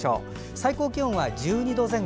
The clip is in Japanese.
最高気温は１２度前後。